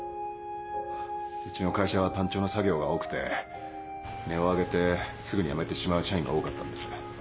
うちの会社は単調な作業が多くて音を上げてすぐに辞めてしまう社員が多かったんです。